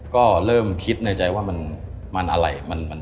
ก็เริ่มคิดในใจว่ามันอะไร